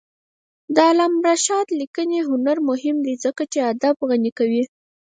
د علامه رشاد لیکنی هنر مهم دی ځکه چې ادب غني کوي.